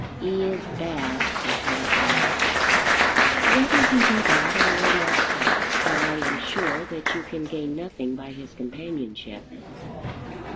"He is bad," he said at last. "Whether he be bad I will not say; but I am sure that you can gain nothing by his companionship."